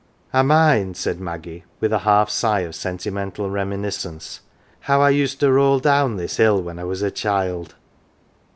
" I mind, 11 said Maggie, with a half sigh of sentimental reminiscence, " how I used to roll down this hill when I was a child."